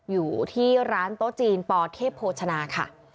อยู่ที่ร้านโต๊ะจีนปเทพโภชนาค่ะ